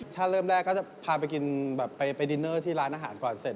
ถ้าเริ่มแรกก็จะพาไปกินแบบไปดินเนอร์ที่ร้านอาหารก่อนเสร็จ